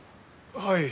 はい。